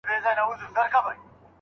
د څېړني پر مهال خپلواک واوسئ.